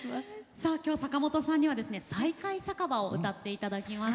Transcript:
さあ今日坂本さんにはですね「再会酒場」を歌っていただきます。